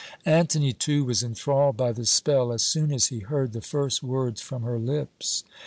"Antony, too, was enthralled by the spell as soon as he heard the first words from her lips.